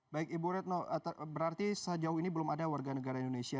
baik ibu retno berarti sejauh ini belum ada warga negara indonesia